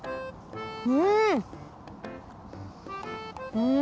うん！